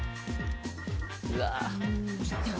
うわ。